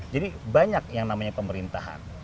banyak yang namanya pemerintahan